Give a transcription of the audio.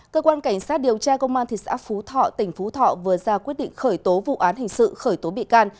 cơ quan cảnh sát điều tra công an thị xã phú thọ tỉnh phú thọ vừa ra quyết định khởi tố vụ án hình sự khởi tố bị can